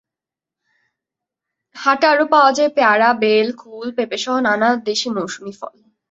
হাটে আরও পাওয়া যায় পেয়ারা, বেল, কুল, পেঁপেসহ নানান দেশি মৌসুমি ফল।